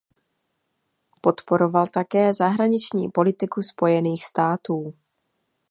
Podporoval také zahraniční politiku Spojených států.